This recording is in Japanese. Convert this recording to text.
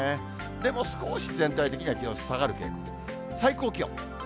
でも少し全体的には気温下がる傾向。最高気温。